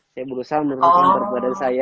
saya berusaha menurunkan berat badan saya